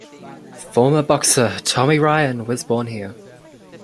Former boxer Tommy Ryan was born here.